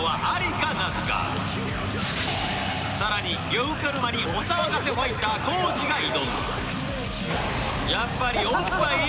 さらに呂布カルマにお騒がせファイター皇治が挑む！